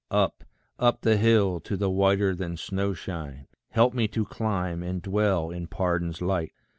Up, up the hill, to the whiter than snow shine, Help me to climb, and dwell in pardon's light.